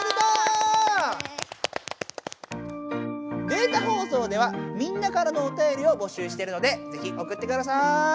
データ放送ではみんなからのおたよりを募集してるのでぜひおくってください。